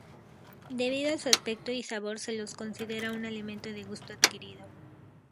Debido a su aspecto y sabor se los considera un alimento de gusto adquirido.